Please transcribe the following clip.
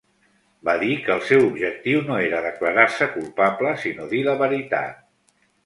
Va dir que el seu objectiu no era declarar-se culpable sinó dir la veritat.